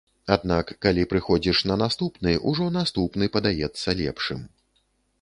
Аднак, калі прыходзіш на наступны, ужо наступны падаецца лепшым.